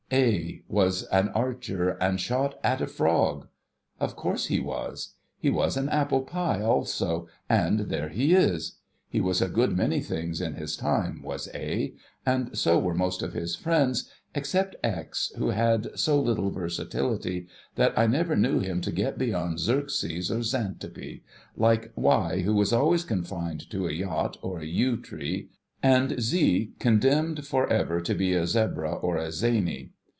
A was an archer, and shot at a frog.' Of course he was. He was an apple pie also, and there he is ! He was a good many things in his time, was A, and so were most of his friends, except X, who had so little versatility, that I never knew him to get beyond Xerxes or Xantippe — like Y, who was always confined to a Yacht or a Yew Tree ; and Z condemned for ever to be a Zebra or a Zany.